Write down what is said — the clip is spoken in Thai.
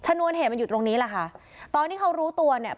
นวนเหตุมันอยู่ตรงนี้แหละค่ะตอนที่เขารู้ตัวเนี่ย